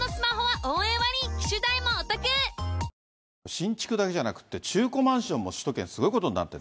新築だけじゃなくって、中古マンションも首都圏、すごいことになってて。